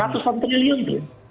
satusan triliun itu